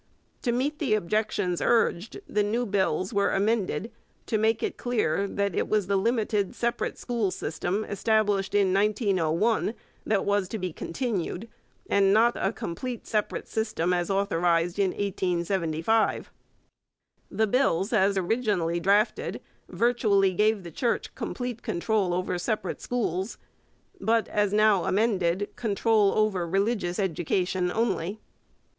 To meet the objections urged, the new bills were amended to make it clear that it was the limited separate school system established in 1901 that was to be continued, and not a complete separate system as authorized in 1875. The bills as originally drafted virtually gave the Church complete control over separate schools, but, as now amended, control over religious education only.